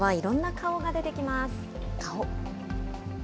顔。